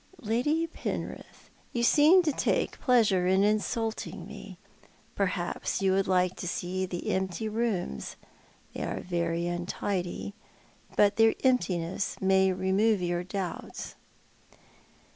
" Lady Penrith, you seem to take pleasure in insulting me. Perhaps you would like to see the empty rooms^ — they are very untidy— but their emptiness may remove your doubts."